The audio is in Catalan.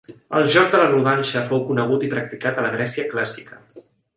El joc de la rodanxa fou conegut i practicat a la Grècia clàssica.